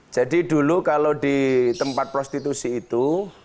jadi dulu kalau di tempat prostitusi itu